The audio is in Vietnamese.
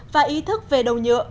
và ý thức về đầu nhựa